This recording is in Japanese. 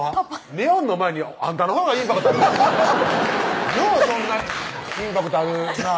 ネオンの前にあんたのほうがインパクトあんでようそんな「インパクトあるなぁ」